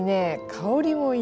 香りもいいし。